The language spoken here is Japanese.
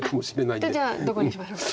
じゃあどこにしましょうか？